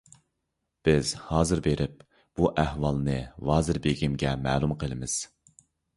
بىز ھازىر بېرىپ، بۇ ئەھۋالنى ۋازىر بېگىمگە مەلۇم قىلىمىز.